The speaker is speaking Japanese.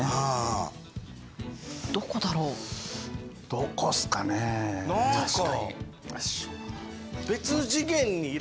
どこですかね、確かに。